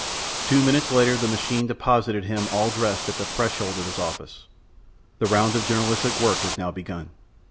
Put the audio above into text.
Two minutes later the machine deposited him all dressed at the threshold of his office. The round of journalistic work was now begun.